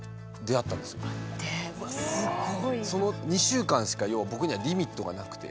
その２週間しか要は僕にはリミットがなくて。